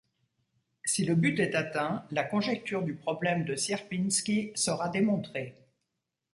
Si le but est atteint, la conjecture du problème de Sierpiński sera démontrée.